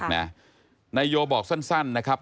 นายโยบอกสั้นนะครับ